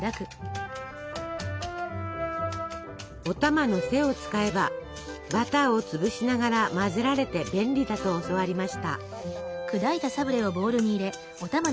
お玉の背を使えばバターを潰しながら混ぜられて便利だと教わりました。